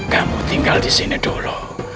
kamu tinggal disini dulu